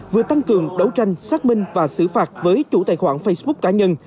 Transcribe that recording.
vừa tăng cường đấu tranh xác minh và xử phạt với chủ tài khoản facebook cá nhân